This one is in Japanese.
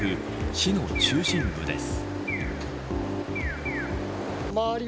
市の中心部です。